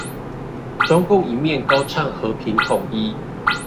中共一面高唱和平統一